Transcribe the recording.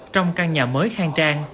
trong căn nhà mới khang trang